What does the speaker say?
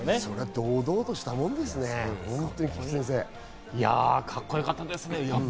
堂々としたもんですね、カッコよかったですね。